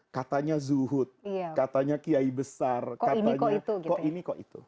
katanya zuhud katanya kiai besar katanya kok ini kok itu